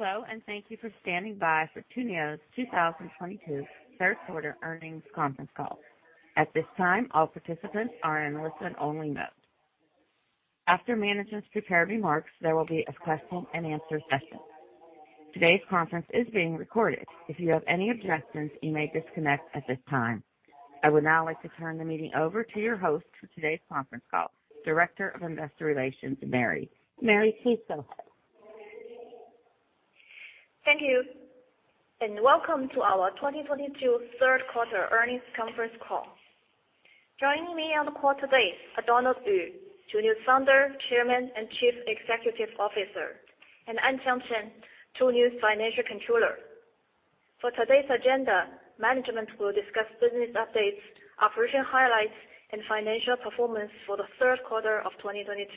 Hello, thank you for standing by for Tuniu's 2022 Third Quarter Earnings Conference Call. At this time, all participants are in listen only mode. After management's prepared remarks, there will be a question and answer session. Today's conference is being recorded. If you have any objections, you may disconnect at this time. I would now like to turn the meeting over to your host for today's conference call, Director of Investor Relations, Mary. Mary, please go ahead. Thank you. Welcome to our 2022 Third Quarter Earnings Conference Call. Joining me on the call today are Donald Yu, Tuniu's Founder, Chairman, and Chief Executive Officer, and Anqiang Chen, Tuniu's Financial Controller. For today's agenda, management will discuss business updates, operation highlights, and financial performance for the third quarter of 2022.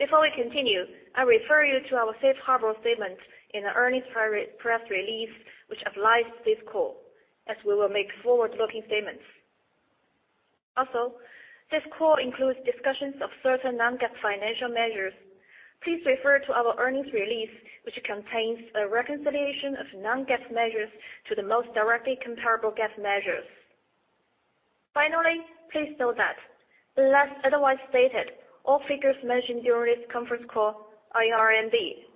Before we continue, I refer you to our safe harbor statement in the earnings press release which applies this call, as we will make forward-looking statements. Also, this call includes discussions of certain non-GAAP financial measures. Please refer to our earnings release, which contains a reconciliation of non-GAAP measures to the most directly comparable GAAP measures. Finally, please note that unless otherwise stated, all figures mentioned during this conference call are in RMB.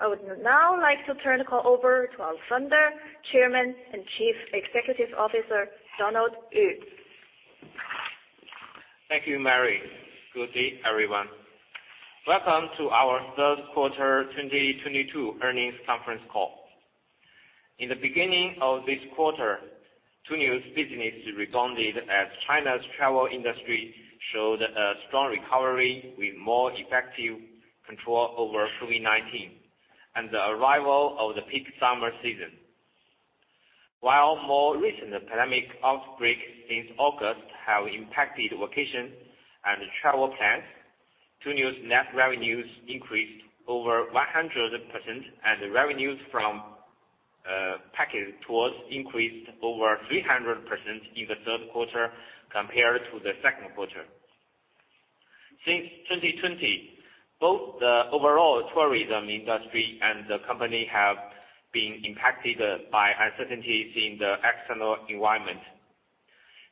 I would now like to turn the call over to our Founder, Chairman, and Chief Executive Officer, Donald Yu. Thank you, Mary. Good day, everyone. Welcome to our third quarter 2022 earnings conference call. In the beginning of this quarter, Tuniu's business rebounded as China's travel industry showed a strong recovery with more effective control over COVID-19, and the arrival of the peak summer season. While more recent pandemic outbreaks since August have impacted vacation and travel plans, Tuniu's net revenues increased over 100%, and revenues from package tours increased over 300% in the third quarter compared to the second quarter. Since 2020, both the overall tourism industry and the company have been impacted by uncertainties in the external environment.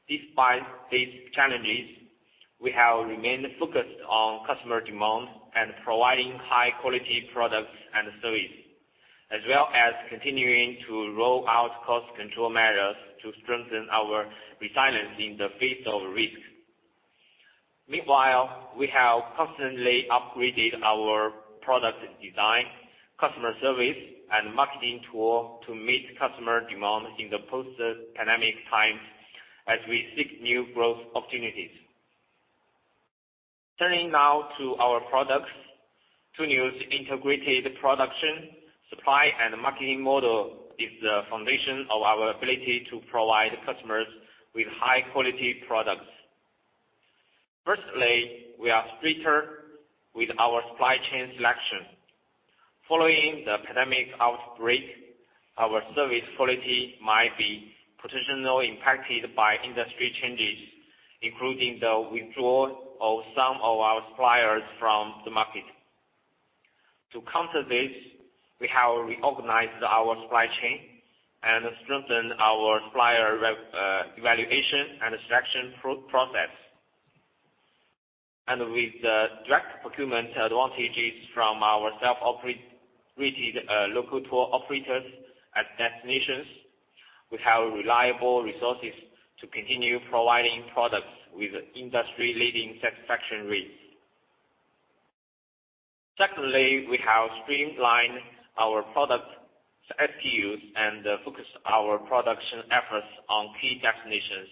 Despite these challenges, we have remained focused on customer demand and providing high quality products and service, as well as continuing to roll out cost control measures to strengthen our resilience in the face of risk. Meanwhile, we have constantly upgraded our product design, customer service, and marketing tool to meet customer demand in the post-pandemic times as we seek new growth opportunities. Turning now to our products. Tuniu's integrated production, supply, and marketing model is the foundation of our ability to provide customers with high quality products. We are stricter with our supply chain selection. Following the pandemic outbreak, our service quality might be potentially impacted by industry changes, including the withdrawal of some of our suppliers from the market. To counter this, we have reorganized our supply chain and strengthened our supplier evaluation and selection process. With the direct procurement advantages from our self-operated local tour operators at destinations, we have reliable resources to continue providing products with industry-leading satisfaction rates. We have streamlined our product SKUs and focused our production efforts on key destinations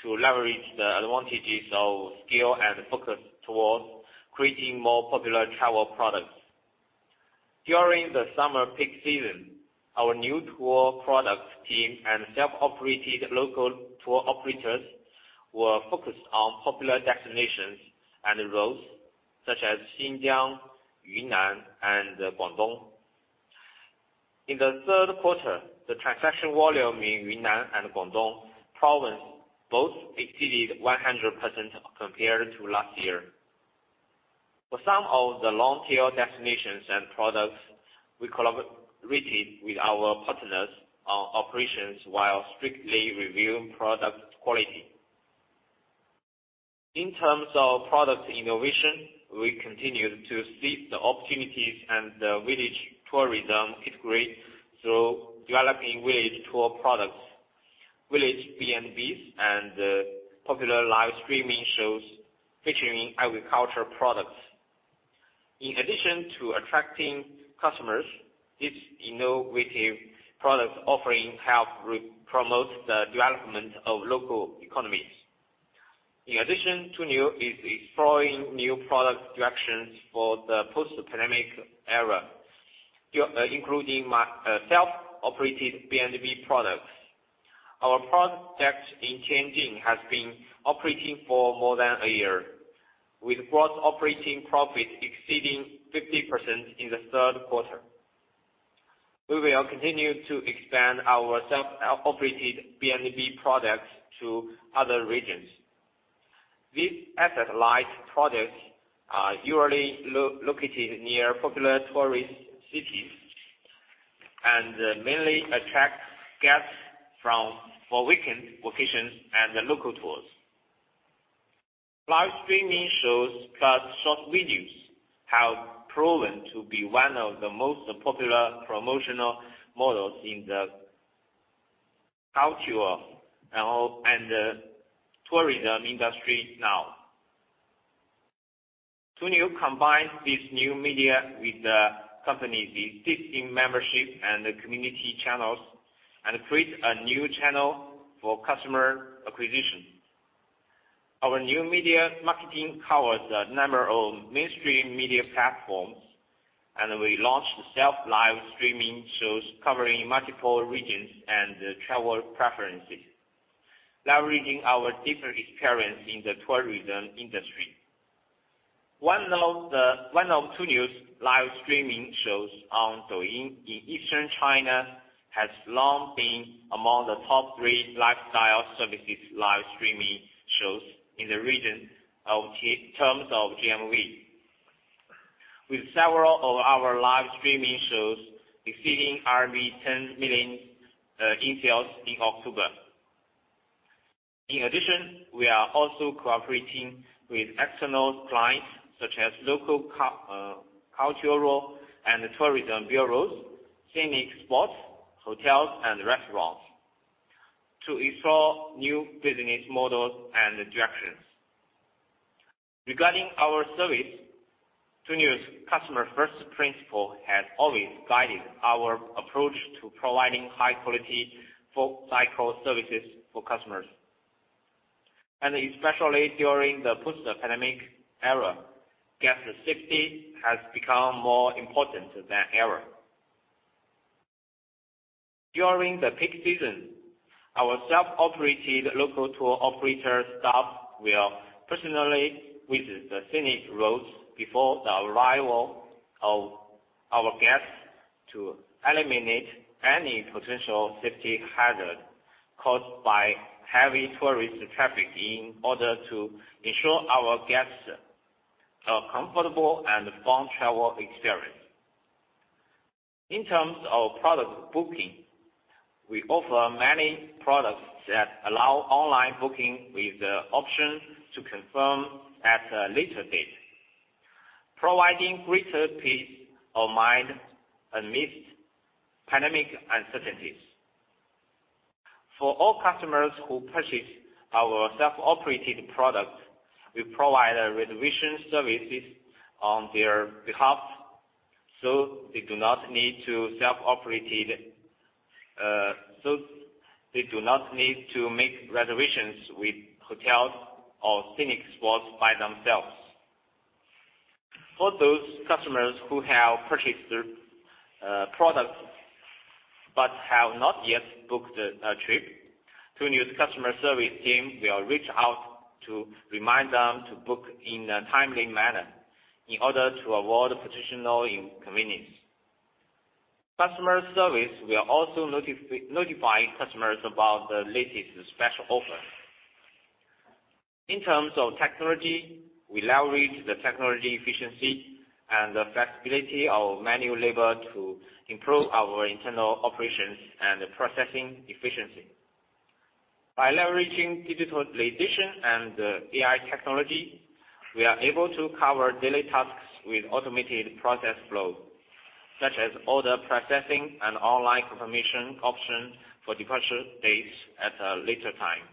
to leverage the advantages of scale and focus towards creating more popular travel products. During the summer peak season, our new tour product team and self-operated local tour operators were focused on popular destinations and routes such as Xinjiang, Yunnan, and Guangdong. In the third quarter, the transaction volume in Yunnan and Guangdong province both exceeded 100% compared to last year. For some of the long-tail destinations and products, we collaborated with our partners on operations while strictly reviewing product quality. In terms of product innovation, we continued to seize the opportunities and the village tourism upgrade through developing village tour products, village B&Bs, and popular live streaming shows featuring agriculture products. In addition to attracting customers, these innovative product offerings help promote the development of local economies. Tuniu is exploring new product directions for the post-pandemic era, including self-operated B&B products. Our project in Tianjin has been operating for more than a year, with gross operating profit exceeding 50% in the third quarter. We will continue to expand our self-operated B&B products to other regions. These asset-light products are usually located near popular tourist cities, and mainly attract guests from for weekend vacations and the local tours. Live streaming shows plus short videos have proven to be one of the most popular promotional models in the culture and tourism industry now. Tuniu combines this new media with the company's existing membership and the community channels, and creates a new channel for customer acquisition. Our new media marketing covers a number of mainstream media platforms, and we launched self live streaming shows covering multiple regions and travel preferences, leveraging our different experience in the tourism industry. One of Tuniu's live streaming shows on Douyin in Eastern China has long been among the top three lifestyle services live streaming shows in the region of terms of GMV. With several of our live streaming shows exceeding 10 million in sales in October. In addition, we are also cooperating with external clients such as local cultural and tourism bureaus, scenic spots, hotels, and restaurants to explore new business models and directions. Regarding our service, Tuniu's customer-first principle has always guided our approach to providing high quality full cycle services for customers. Especially during the post-pandemic era, guest safety has become more important than ever. During the peak season, our self-operated local tour operator staff will personally visit the scenic routes before the arrival of our guests to eliminate any potential safety hazard caused by heavy tourist traffic in order to ensure our guests a comfortable and fun travel experience. In terms of product booking, we offer many products that allow online booking with the option to confirm at a later date, providing greater peace of mind amidst pandemic uncertainties. For all customers who purchase our self-operated products, we provide reservation services on their behalf, so they do not need to make reservations with hotels or scenic spots by themselves. For those customers who have purchased their products but have not yet booked a trip, Tuniu's customer service team will reach out to remind them to book in a timely manner in order to avoid potential inconvenience. Customer service will also notify customers about the latest special offer. In terms of technology, we leverage the technology efficiency and the flexibility of manual labor to improve our internal operations and the processing efficiency. By leveraging digitalization and AI technology, we are able to cover daily tasks with automated process flow, such as order processing and online confirmation option for departure dates at a later time.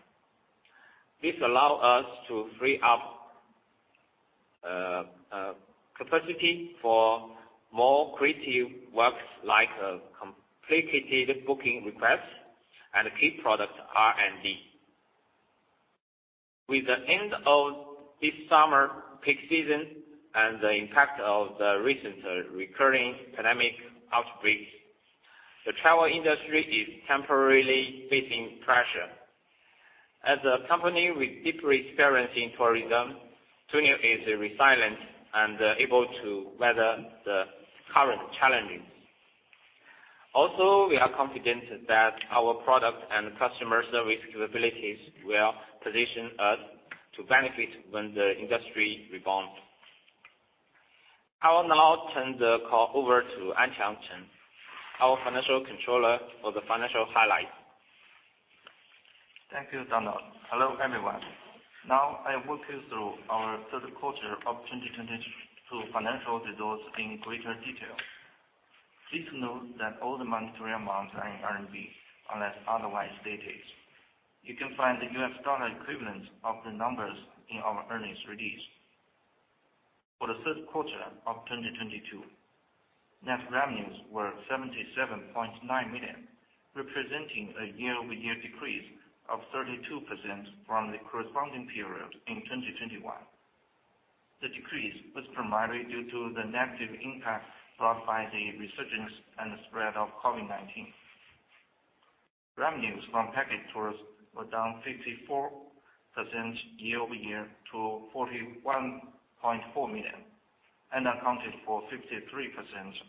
This allow us to free up capacity for more creative works like complicated booking requests and key product R&D. With the end of this summer peak season and the impact of the recent recurring pandemic outbreaks, the travel industry is temporarily facing pressure. We are confident that our product and customer service capabilities will position us to benefit when the industry rebounds. I will now turn the call over to Anqiang Chen, our Financial Controller, for the financial highlights. Thank you, Donald. Hello, everyone. Now I walk you through our third quarter of 2022 financial results in greater detail. Please note that all the monetary amounts are in RMB unless otherwise stated. You can find the US dollar equivalents of the numbers in our earnings release. For the third quarter of 2022, net revenues were 77.9 million, representing a year-over-year decrease of 32% from the corresponding period in 2021. The decrease was primarily due to the negative impact brought by the resurgence and the spread of COVID-19. Revenues from package tours were down 54% year-over-year to 41.4 million and accounted for 53%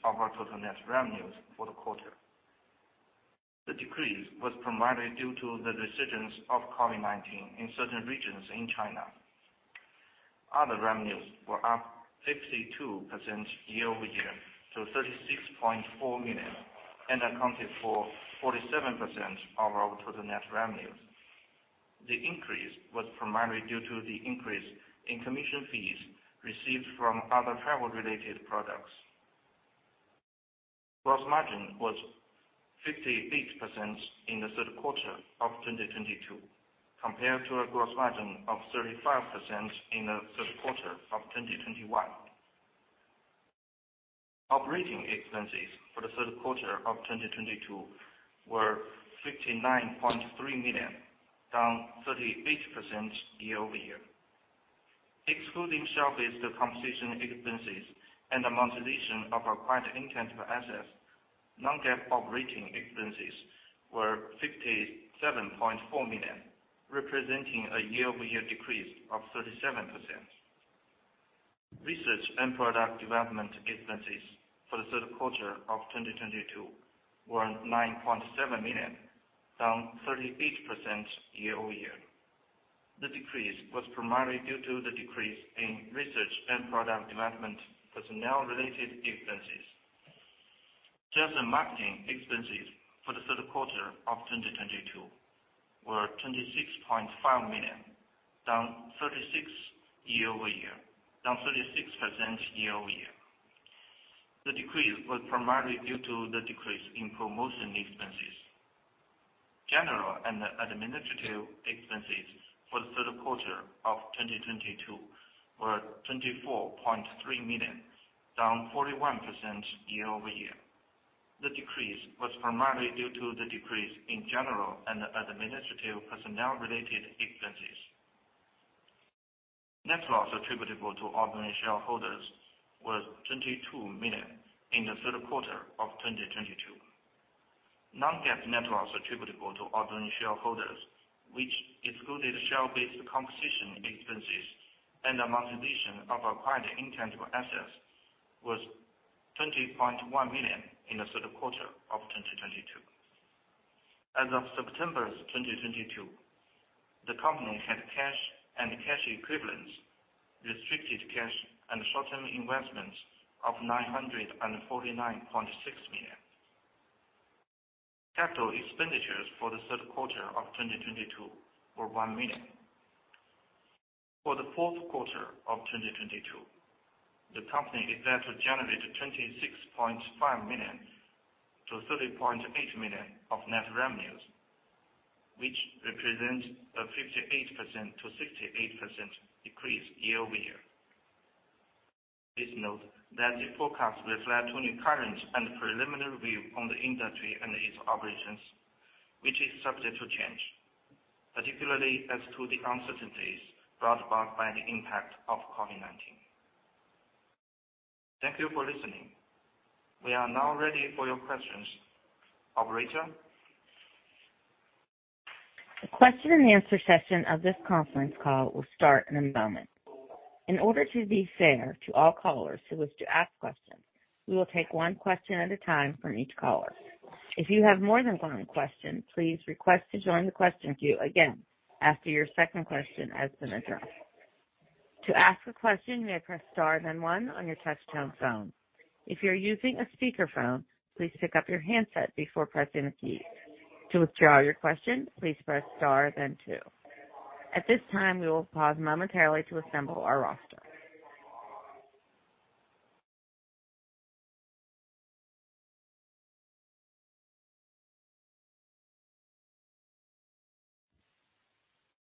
of our total net revenues for the quarter. The decrease was primarily due to the decisions of COVID-19 in certain regions in China. Other revenues were up 52% year-over-year to 36.4 million and accounted for 47% of our total net revenues. The increase was primarily due to the increase in commission fees received from other travel-related products. Gross margin was 58% in the third quarter of 2022 compared to a gross margin of 35% in the third quarter of 2021. Operating expenses for the third quarter of 2022 were 59.3 million, down 38% year-over-year. Excluding share-based compensation expenses and amortization of acquired intangible assets, non-GAAP operating expenses were 57.4 million, representing a year-over-year decrease of 37%. Research and product development expenses for the third quarter of 2022 were 9.7 million, down 38% year-over-year. The decrease was primarily due to the decrease in research and product development personnel-related expenses. Sales and marketing expenses for the third quarter of 2022 were 26.5 million, down 36% year-over-year. The decrease was primarily due to the decrease in promotion expenses. General and administrative expenses for the third quarter of 2022 were 24.3 million, down 41% year-over-year. The decrease was primarily due to the decrease in general and administrative personnel-related expenses. Net loss attributable to ordinary shareholders was 22 million in the third quarter of 2022. Non-GAAP net loss attributable to ordinary shareholders, which excluded share-based compensation expenses and amortization of acquired intangible assets, was 20.1 million in the third quarter of 2022. As of September 2022, the company had cash and cash equivalents, restricted cash and short-term investments of 949.6 million. CapEx for the third quarter of 2022 were $1 million. For the fourth quarter of 2022, the company is set to generate $26.5 million-$30.8 million of net revenues, which represents a 58%-68% decrease year-over-year. Please note that the forecast reflect only current and preliminary view on the industry and its operations, which is subject to change, particularly as to the uncertainties brought about by the impact of COVID-19. Thank you for listening. We are now ready for your questions. Operator? The question-and-answer session of this conference call will start in a moment. In order to be fair to all callers who wish to ask questions, we will take one question at a time from each caller. If you have more than one question, please request to join the question queue again after your second question has been addressed. To ask a question, you may press star then one on your touch-tone phone. If you're using a speaker phone, please pick up your handset before pressing a key. To withdraw your question, please press star then two. At this time, we will pause momentarily to assemble our roster.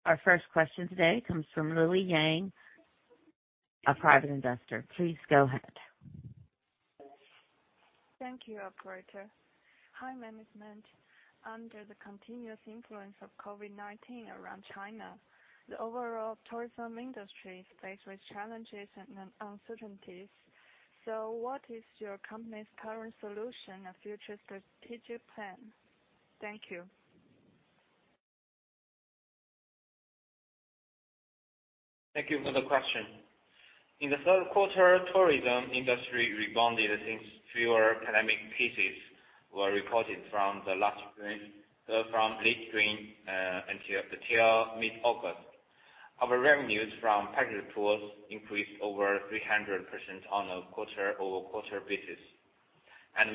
Our first question today comes from Lily Yang, a private investor. Please go ahead. Thank you, operator. Hi, management. Under the continuous influence of COVID-19 around China, the overall tourism industry is faced with challenges and uncertainties. What is your company's current solution and future strategic plan? Thank you. Thank you for the question. In the third quarter, tourism industry rebounded since fewer pandemic cases were reported from late June until mid-August. Our revenues from package tours increased over 300% on a quarter-over-quarter basis.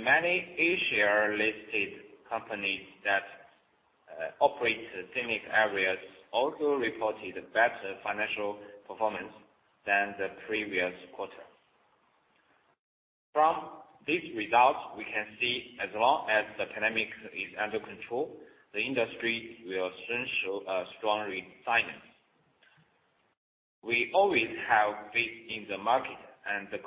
Many A-share listed companies that operate scenic areas also reported better financial performance than the previous quarter. From these results, we can see as long as the pandemic is under control, the industry will soon show a strong resilience. We always have faith in the market and the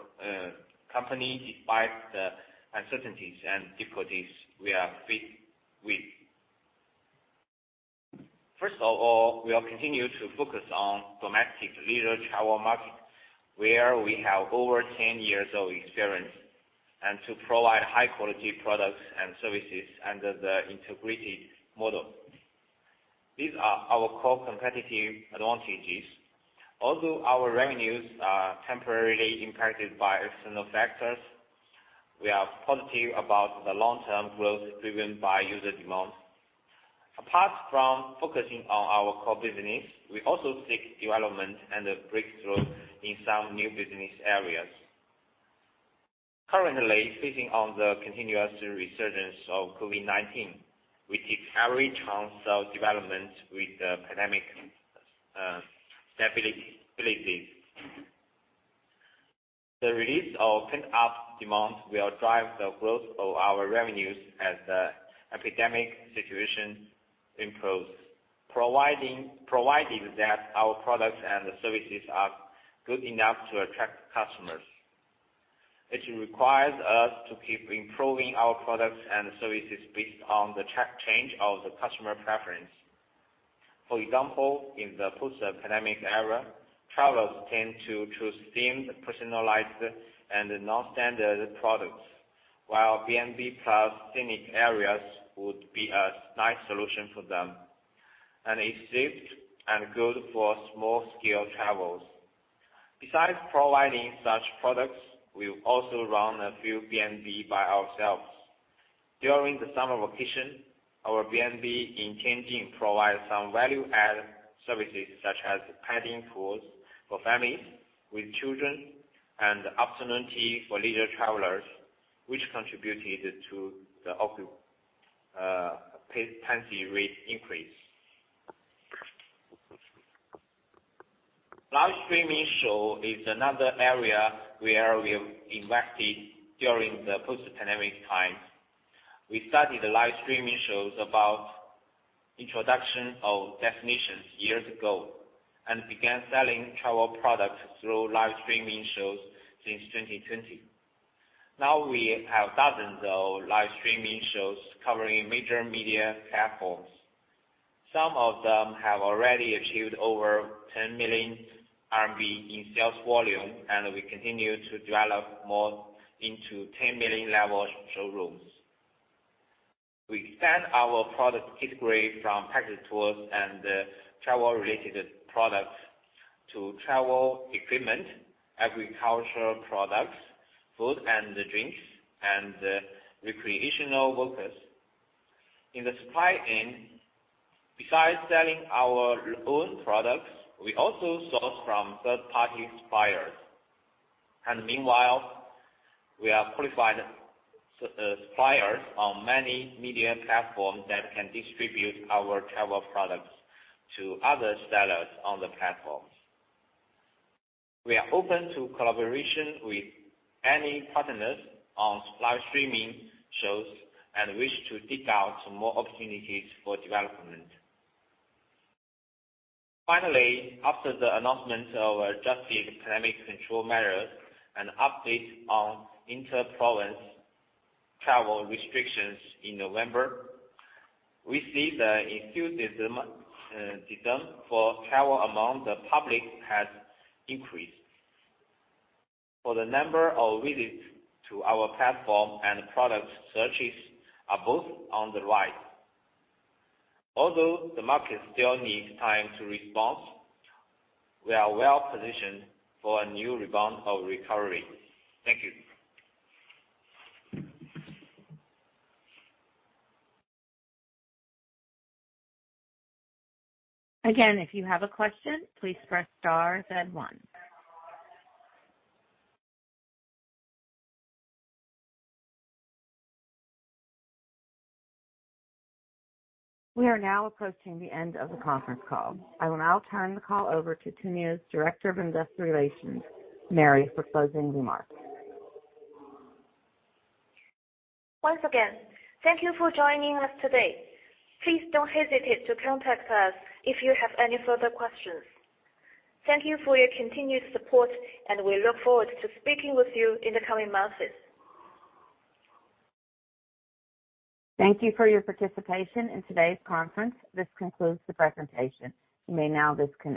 company, despite the uncertainties and difficulties we are faced with. We'll continue to focus on domestic leisure travel market where we have over 10 years of experience and to provide high quality products and services under the integrated model. These are our core competitive advantages. Although our revenues are temporarily impacted by external factors, we are positive about the long-term growth driven by user demand. Apart from focusing on our core business, we also seek development and a breakthrough in some new business areas. Currently, facing on the continuous resurgence of COVID-19, we take every chance of development with the pandemic stability. The release of pent-up demand will drive the growth of our revenues as the epidemic situation improves provided that our products and services are good enough to attract customers, which requires us to keep improving our products and services based on the track change of the customer preference. For example, in the post-pandemic era, travelers tend to choose themed, personalized, and non-standard products, while B&B plus scenic areas would be a nice solution for them, and is safe and good for small scale travels. Besides providing such products, we also run a few B&B by ourselves. During the summer vacation, our BNB in Tianjin provides some value-added services such as petting pools for families with children and afternoon tea for leisure travelers, which contributed to the tenancy rate increase. Live streaming show is another area where we invested during the post-pandemic time. We started the live streaming shows about introduction of destinations years ago and began selling travel products through live streaming shows since 2020. Now we have dozens of live streaming shows covering major media platforms. Some of them have already achieved over 10 million RMB in sales volume. We continue to develop more into 10 million-level showrooms. We expand our product category from package tours and travel-related products to travel equipment, agricultural products, food and drinks, and recreational vehicles. In the supply end, besides selling our own products, we also source from third-party suppliers. Meanwhile, we are qualified suppliers on many media platforms that can distribute our travel products to other sellers on the platforms. We are open to collaboration with any partners on live streaming shows and wish to dig out some more opportunities for development. Finally, after the announcement of adjusted pandemic control measures and updates on inter-province travel restrictions in November, we see the enthusiasm for travel among the public has increased. The number of visits to our platform and product searches are both on the rise. Although the market still needs time to respond, we are well positioned for a new rebound of recovery. Thank you. If you have a question, please press star then one. We are now approaching the end of the conference call. I will now turn the call over to Tuniu's Director of Investor Relations, Mary, for closing remarks. Once again, thank you for joining us today. Please don't hesitate to contact us if you have any further questions. Thank you for your continued support, and we look forward to speaking with you in the coming months. Thank you for your participation in today's conference. This concludes the presentation. You may now disconnect.